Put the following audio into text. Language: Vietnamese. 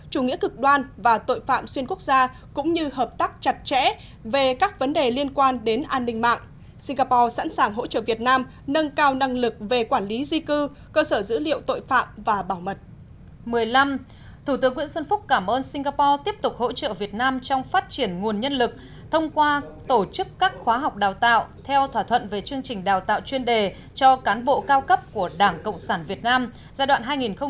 một mươi năm thủ tướng nguyễn xuân phúc cảm ơn singapore tiếp tục hỗ trợ việt nam trong phát triển nguồn nhân lực thông qua tổ chức các khóa học đào tạo theo thỏa thuận về chương trình đào tạo chuyên đề cho cán bộ cao cấp của đảng cộng sản việt nam giai đoạn hai nghìn một mươi bảy hai nghìn một mươi chín